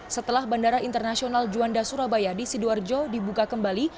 setelah bandara internasional juanda surabaya di sidoarjo dibuka kembali